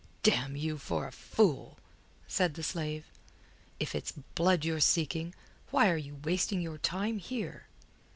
"Damn you for a fool!" said the slave. "If it's Blood you're seeking, why are you wasting your time here?"